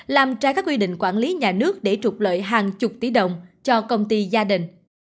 làm trái các quy định quản lý nhà nước để trục lợi hàng chục tỷ đồng cho công ty gia đình